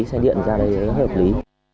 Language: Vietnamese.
xe điện ra đây rất là hợp lý